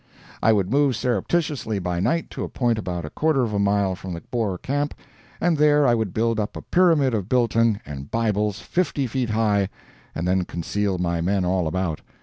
I would move surreptitiously by night to a point about a quarter of a mile from the Boer camp, and there I would build up a pyramid of biltong and Bibles fifty feet high, and then conceal my men all about.